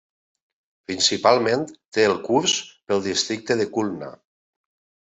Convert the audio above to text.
Principalment té el curs pel districte de Khulna.